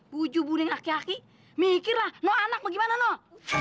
bujubuning aki aki mikirlah noh anak bagaimana noh